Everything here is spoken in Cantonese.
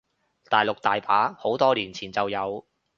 大陸大把，好多年前就有